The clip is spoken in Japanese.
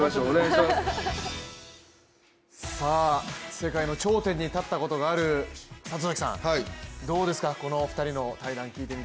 世界の頂点に立ったことがある里崎さん、どうですか、このお二人の対談、聞いてみて。